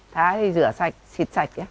thái thì rửa sạch xịt sạch nhé